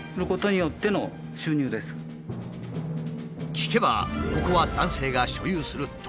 聞けばここは男性が所有する土地。